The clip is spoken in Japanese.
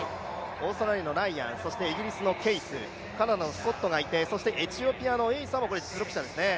オーストラリアのライアン、イギリスのケイスカナダのスコットがいて、エチオピアのエイサもいますね。